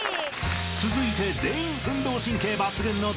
［続いて全員運動神経抜群の男子］